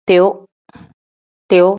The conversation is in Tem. Tiu.